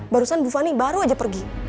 barusan bu fani baru aja pergi